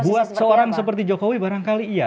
buat seorang seperti jokowi barangkali iya